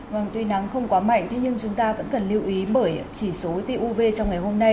vâng tuy nắng không quá mạnh nhưng chúng ta vẫn cần lưu ý bởi chỉ số tiêu uv trong ngày hôm nay